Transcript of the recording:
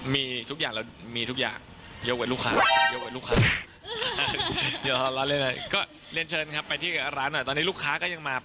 มีทุกอย่างยกว่าลูกค้า